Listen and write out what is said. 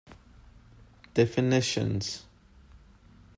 Definitions.